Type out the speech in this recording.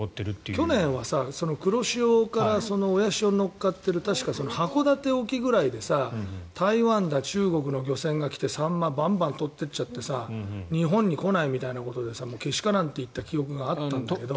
去年は黒潮から親潮に乗っかっている確か函館沖くらいで台湾や、中国の漁船が来てサンマをバンバン取っていっちゃって日本に来ないみたいなことでけしからんといった記憶があったんだけど。